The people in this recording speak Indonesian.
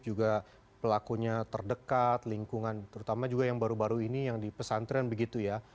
juga pelakunya terdekat lingkungan terutama juga yang baru baru ini yang di pesantren begitu ya